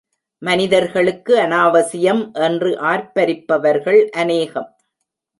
மனிதர்களுக்கு அநாவசியம் என்று ஆர்ப்பரிப்பவர்கள் அநேகம்.